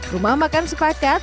rumah makan sepakat